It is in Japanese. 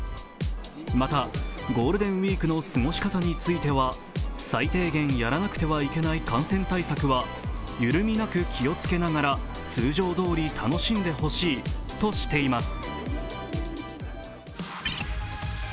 またゴールデンウイークの過ごし方については最低限やらなくてはいけない感染対策は緩みなく気をつけながら通常どおり楽しんでほしいとしています。